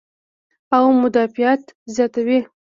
او مدافعت زياتوي -